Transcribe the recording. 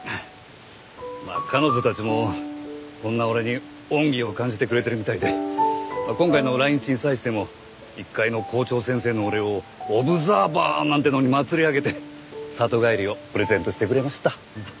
まあ彼女たちもこんな俺に恩義を感じてくれてるみたいで今回の来日に際しても一介の校長先生の俺をオブザーバーなんてのに祭り上げて里帰りをプレゼントしてくれました。